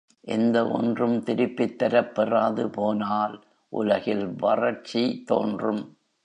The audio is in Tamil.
எந்த ஒன்றும் திருப்பித் தரப் பெறாது போனால் உலகில் வறட்சி தோன்றும்.